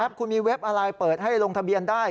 คุณมีเว็บอะไรเปิดให้ลงทะเบียนได้